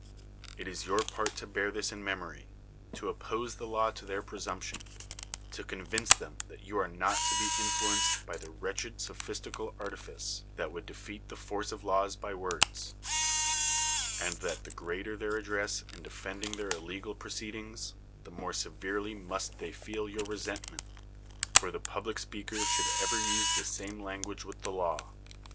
It is your part to bear this in memory ; to o])pose the law to their presumption ; to convince them that you are not to be in fluenced by the Avretch(Kl sophistical artifice that would defeat the force of laws by words; and that the greatei their address in defending their illegal proceedings, the more severely must they feel your ri'sentment; for the public speaker should ever use the same language with the law.